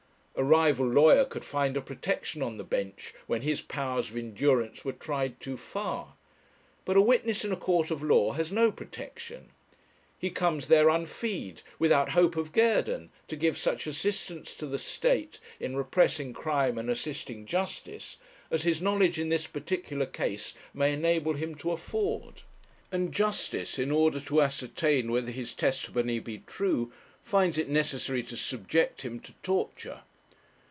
A rival lawyer could find a protection on the bench when his powers of endurance were tried too far; but a witness in a court of law has no protection. He comes there unfeed, without hope of guerdon, to give such assistance to the State in repressing crime and assisting justice as his knowledge in this particular case may enable him to afford; and justice, in order to ascertain whether his testimony be true, finds it necessary to subject him to torture.